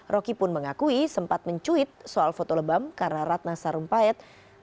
rocky pun mengakui sempat mencuit soal foto lebam karena ratna sarumpayat